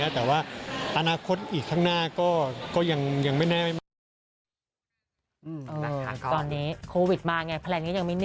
แต่ว่าอนาคตอีกข้างหน้าก็ยังไม่แน่ไม่มาก